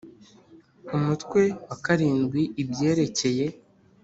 Umutwe wa vii ibyerekeye